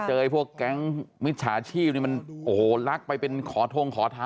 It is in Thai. ไอ้พวกแก๊งมิจฉาชีพนี่มันโอ้โหลักไปเป็นขอทงขอท้า